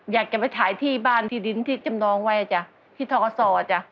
อยากจะไปถ่ายที่บ้านที่ดินที่จำนองไว้จ้ะที่ทอศจ้ะ